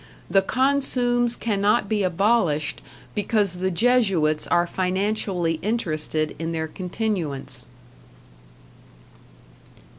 The consumes cannot be abolished because the Jesuits are financially interested in their continuance.